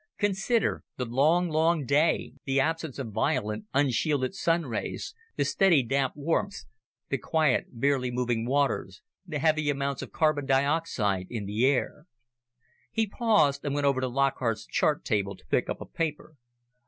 Consider the long, long day, the absence of violent, unshielded Sun rays, the steady damp warmth, the quiet, barely moving waters, the heavy amounts of carbon dioxide in the air...." He paused and went over to Lockhart's chart table to pick up a paper.